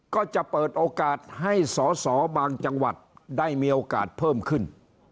ก็จะเปิดโอกาสให้สอสอบางจังหวัดได้มีโอกาสเพิ่มขึ้น